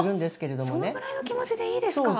そのぐらいの気持ちでいいですか？